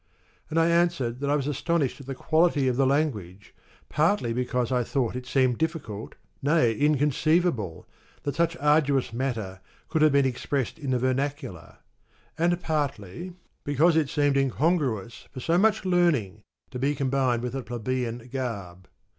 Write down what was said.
And I answered that I was astonished at the quality of the language, partly be cause I thought it seemed difficult, nay inconceivable, that such arduous matter could have been expressed in the vernacular, and partly because it seemed H9 • incongruous for so much learning to be combined with a plebeian garb.